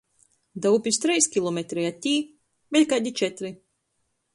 Da upis treis kilometri, a tī — vēļ kaidi četri.